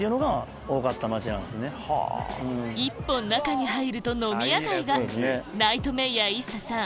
一本中に入ると飲み屋街がナイトメイヤーＩＳＳＡさん